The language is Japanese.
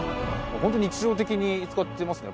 日常的に使ってますね。